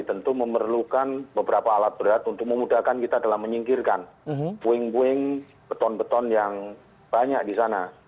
tentu memerlukan beberapa alat berat untuk memudahkan kita dalam menyingkirkan puing puing beton beton yang banyak di sana